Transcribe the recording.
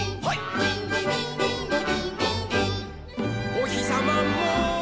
「おひさまも」